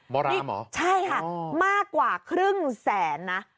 โบราณเหรอใช่ค่ะมากกว่าครึ่งแสนนะ